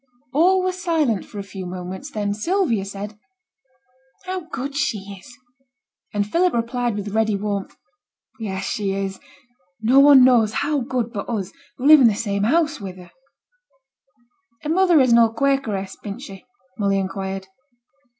All were silent for a few moments, then Sylvia said 'How good she is!' And Philip replied with ready warmth, 'Yes, she is; no one knows how good but us, who live in the same house wi' her.' 'Her mother is an old Quakeress, bean't she?' Molly inquired.